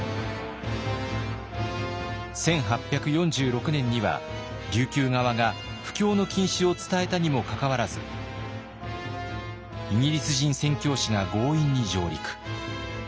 １８４６年には琉球側が布教の禁止を伝えたにもかかわらずイギリス人宣教師が強引に上陸。